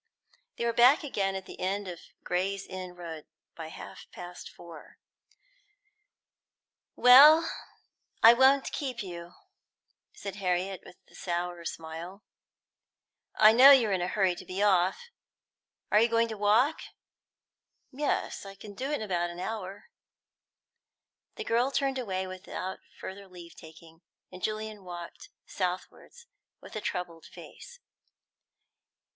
They were back again at the end of Gray's Inn Road by half past four. "Well, I won't keep you," said Harriet, with the sour smile. "I know you're in a hurry to be off. Are you going to walk?" "Yes; I can do it in about an hour." The girl turned away without further leave taking, and Julian walked southwards with a troubled face.